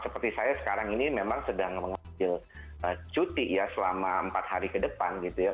seperti saya sekarang ini memang sedang mengambil cuti ya selama empat hari ke depan gitu ya